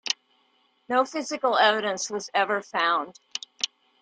No physical evidence was ever found.